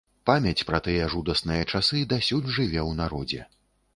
Памяць пра тыя жудасныя часы дасюль жыве ў народзе.